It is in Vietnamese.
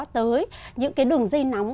tới những đường dây nóng